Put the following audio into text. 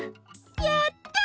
やった！